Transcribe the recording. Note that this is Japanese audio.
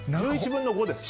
１１分の５です。